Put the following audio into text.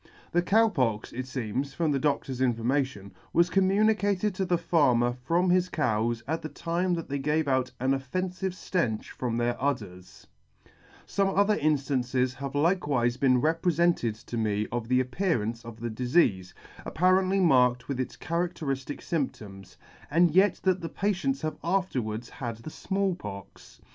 The Cow Pox, it feems,. from the Do6tor's information,, was communicated to the farmer from his cows at the time that they gave out an ojfenfive Jlenchfrom their udders + Some other inftances have likewife been reprefented to me of the appearance of the difeafe, apparently marked with its cha ra&erifiic fymptoms, and yet that the patients have afterwards _ had the Small Pox.